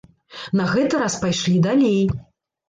На гэты раз пайшлі далей.